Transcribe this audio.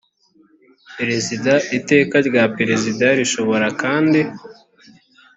perezida iteka rya perezida rishobora kandi